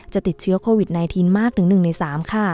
ติดเชื้อโควิด๑๙มากถึง๑ใน๓ค่ะ